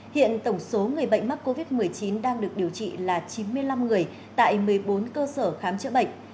hiện tổng số người bệnh mắc covid một mươi chín đang được điều trị là chín mươi năm người tại một mươi bốn cơ sở khám chữa bệnh